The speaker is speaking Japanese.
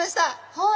はい！